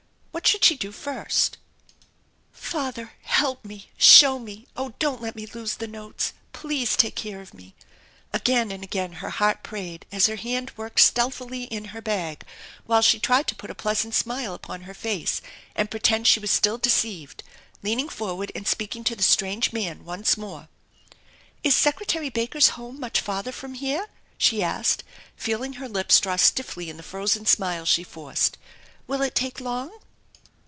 What should she do first ? "Father, help me! Show me! Oh, don't let me lose the notes ! Please take care of me !" Again and again her heart prayed as her hand worked stealthily in her bag, while she tried to put a pleasant smile upon her face and pretend she was still deceived, leaning forward and speaking to the strange man once more: "Is Secretary Baker's home much farther from here?'* she asked, feeling her lips draw stiffly in the frozen smile she forced. " Will it take long